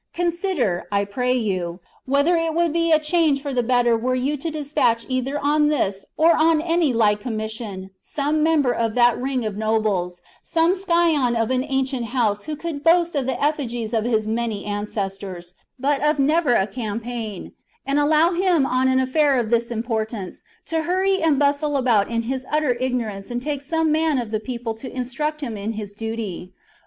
Consider, I pray you, whether it would be a change for the better were you to despatch either on this or on any like commission, some member of that ring of nobles, some scion of an ancient house who could boast of the effigies of his many ancestors, but of never a campaign ; and allow him on an affair of this importance, to hurry and bustle about in his utter ignorance and take some man of the people to instruct him in his duty.